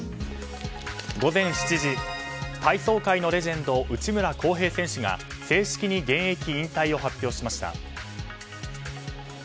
午前７時、体操界のレジェンド内村航平選手が正式に現役引退を発表しました。